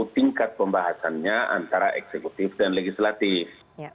tingkat pembahasannya antara eksekutif dan legislatif